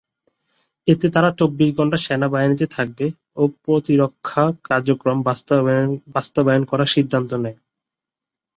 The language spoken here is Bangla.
এতে তারা চব্বিশ ঘণ্টা সেনাবাহিনীতে থাকবে ও প্রতিরক্ষা কার্যক্রম বাস্তবায়ন করার সিদ্ধান্ত নেয়।